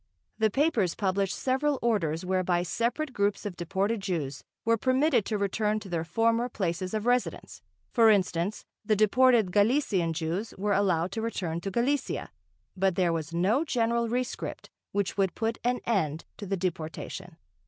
The papers published several orders whereby separate groups of deported Jews were permitted to return to their former places of residence, for instance, the deported Galician Jews were allowed to return to Galicia, but there was no general rescript which would put an end to the deportation....